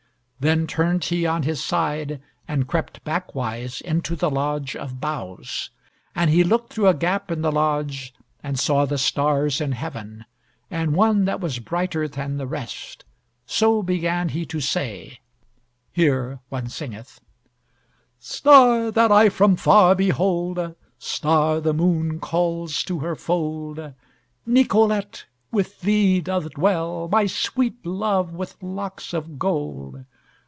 Then turned he on his side, and crept backwise into the lodge of boughs. And he looked through a gap in the lodge and saw the stars in heaven, and one that was brighter than the rest; so began he to say: Here one singeth: "Star, that I from far behold, Star the moon calls to her fold, Nicolette with thee doth dwell, My sweet love, with locks of gold.